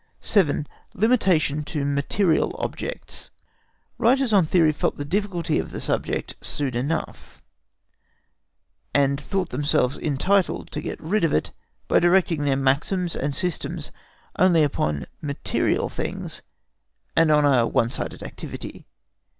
7. LIMITATION TO MATERIAL OBJECTS. Writers on theory felt the difficulty of the subject soon enough, and thought themselves entitled to get rid of it by directing their maxims and systems only upon material things and a one sided activity.